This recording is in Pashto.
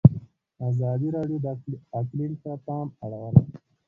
ازادي راډیو د اقلیم ته پام اړولی.